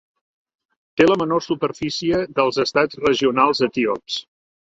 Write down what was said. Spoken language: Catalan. Té la menor superfície dels estats regionals etíops.